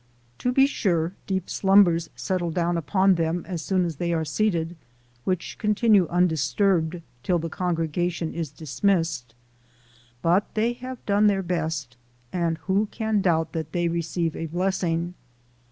To be sure, deep slumbers settle down upon them as soon as they are seated, which continue undisturbed till the congregation is dis missed ; but they have done their best, and who can doubt that they receive a blessing.